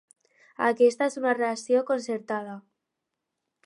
Aquesta és una reacció concertada.